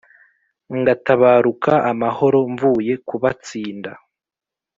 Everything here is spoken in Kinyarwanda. ngatabaruka amahoro mvuye kubatsinda